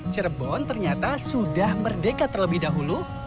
cirebon ternyata sudah merdeka terlebih dahulu